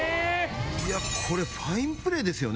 いやこれファインプレーですよね